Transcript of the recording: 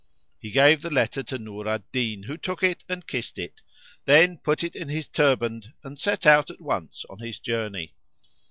He gave the letter to Nur al Din, who took it and kissed it, then put it in his turband and set out at once on his journey.